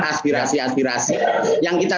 aspirasi aspirasi yang kita